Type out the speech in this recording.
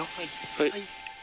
はい。